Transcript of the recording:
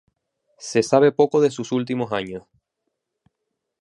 Se sabe poco de sus últimos años.